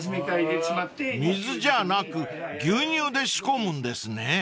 ［水じゃなく牛乳で仕込むんですね］